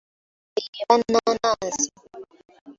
Eyo eba nnaanansi.